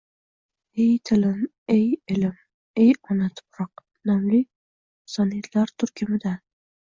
Ey, tilim, Ey, elim, Ey, ona tuproq» nomli sonetlar turkumidan